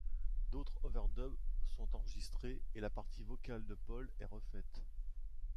D’autres overdubs sont enregistrés, et la partie vocale de Paul est refaite.